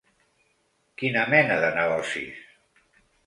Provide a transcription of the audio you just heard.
Quina mena de negocis?